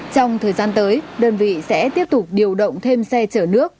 trong thời gian tới đơn vị sẽ tiếp tục điều động thêm xe chở nước